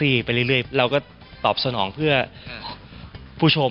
เราก็เงินต่อสนองเพื่อผู้ชม